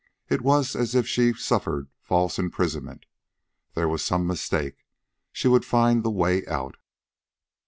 It was as if she suffered false imprisonment. There was some mistake. She would find the way out.